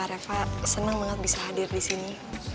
reva senang banget bisa hadir di sini